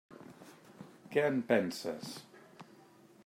Què en penses?